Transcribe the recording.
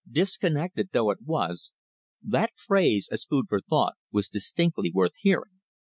Disconnected though it was, that phrase, as food for thought, was distinctly worth hearing.